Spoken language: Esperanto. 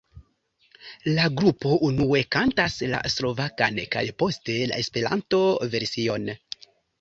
La grupo unue kantas la slovakan kaj poste la Esperanto-version.